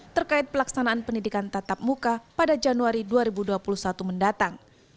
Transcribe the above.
terkait pelaksanaan pendidikan tatap muka pada januari dua ribu dua puluh satu mendatang